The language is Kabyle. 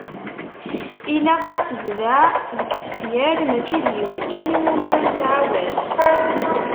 Ilaq asebdeɛ deg tefyar, mačči d yiwet kan iwmi ara nettɛawad.